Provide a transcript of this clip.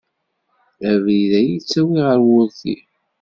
Abrid-a yettawi ɣer wurti.